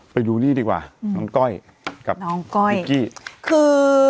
ไปดูนี่ดีกว่าน้องก้อยกับนิ๊กกี้